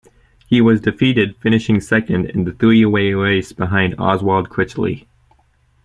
He was defeated finishing second in the three way race behind Oswald Critchley.